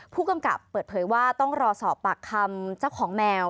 ผู้กำกับเปิดเผยว่าต้องรอสอบปากคำเจ้าของแมว